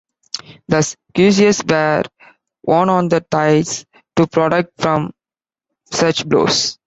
Thus, cuisses were worn on the thighs to protect from such blows.